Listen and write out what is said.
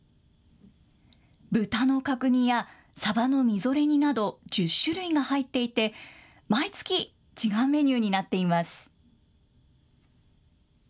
豚の角煮や、さばのみぞれ煮など１０種類が入っていて毎月、違うメニューになっています。